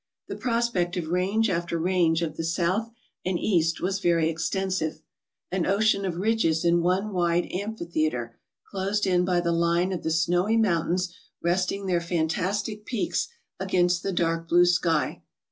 The prospect of range after range of the south and east was very extensive; GUXCiOOTREE. 229 an ocean of ridges in one wide amphitheatre, closed in by the line of the^snowy mountains resting their fantastic peaks against tlie dark blue sky.